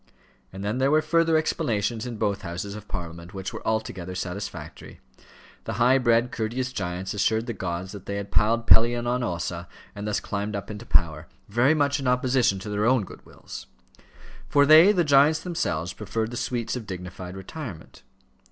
And then there were further explanations in both Houses of Parliament, which were altogether satisfactory. The high bred, courteous giants assured the gods that they had piled Pelion on Ossa and thus climbed up into power, very much in opposition to their own good wills; for they, the giants themselves, preferred the sweets of dignified retirement.